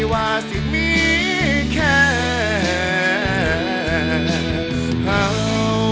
ขอบคุณมาก